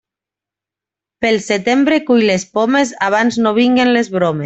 Pel setembre, cull les pomes, abans no vinguen les bromes.